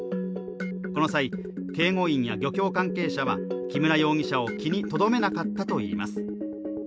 その際、警護員や漁協関係者は木村容疑者を気にとどめなかったといいます。